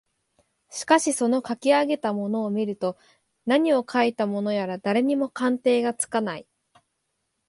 しかしそのかき上げたものを見ると何をかいたものやら誰にも鑑定がつかない